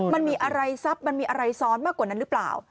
มันมีอะไรซับมันมีอะไรซ้อนมากกว่านั้นหรือเปล่า